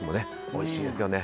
おいしいですよね。